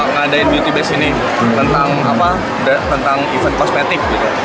ngadain beauty base ini tentang event kosmetik